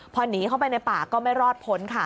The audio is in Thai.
พอหนีเข้าไปในป่าก็ไม่รอดพ้นค่ะ